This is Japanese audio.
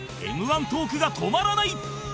Ｍ−１ トークが止まらない！